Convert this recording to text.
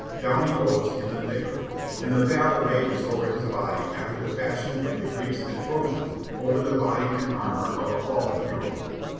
Down he goes in the thick of it, and the combat rages over his body after the fashion of the Greeks and Trojans over the body and armor of a fallen hero.